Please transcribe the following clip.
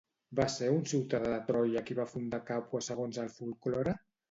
Va ser un ciutadà de Troia qui va fundar Càpua segons el folklore?